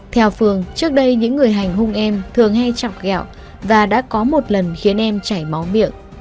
theo phường trước đây những người hành hung em thường hay chọc gạo và đã có một lần khiến em chảy máu miệng